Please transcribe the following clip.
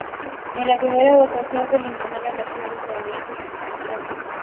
En la primera votación fue eliminada la ciudad estadounidense de Detroit.